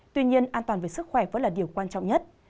tuy nhiên an toàn về sức khỏe vẫn là điều quan trọng nhất